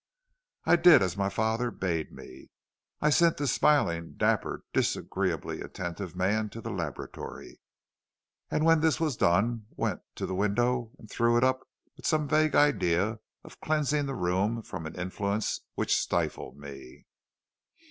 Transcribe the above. "I did as my father bade me. I sent the smiling, dapper, disagreeably attentive man to the laboratory, and when this was done, went to the window and threw it up with some vague idea of cleansing the room from an influence which stifled me.